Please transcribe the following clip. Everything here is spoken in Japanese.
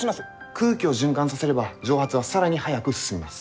空気を循環させれば蒸発は更に早く進みます。